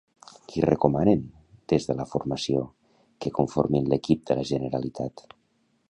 Qui recomanen, des de la formació, que conformin l'equip de la Generalitat?